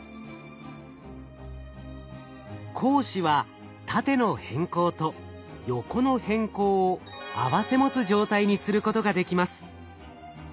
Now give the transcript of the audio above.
光子は縦の偏光と横の偏光を併せ持つ状態にすることができます。